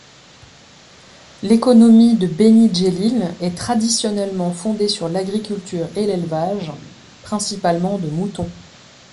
L'économie de Beni Djellil est traditionnellement fondée sur l'agriculture et l'élevage, principalement de moutons.